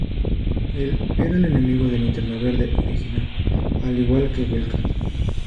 Él era el enemigo del Linterna Verde original al igual que Wildcat.